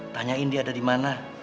tanyain dia ada dimana